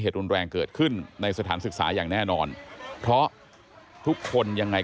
รุนแรงเกิดขึ้นในสถานศึกษาอย่างแน่นอนเพราะทุกคนยังไง